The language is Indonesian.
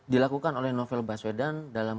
dilakukan oleh novel baswedan dalam